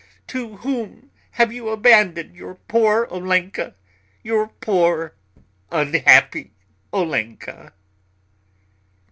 To whom have you abandoned your poor Olenka, your poor, unhappy Olenka?"